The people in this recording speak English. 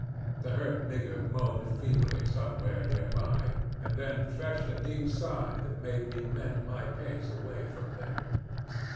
The hurt nigger moaned feebly somewhere near by, and then fetched a deep sigh that made me mend my pace away from there.